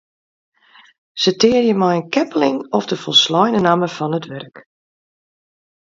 Sitearje mei in keppeling of de folsleine namme fan it wurk.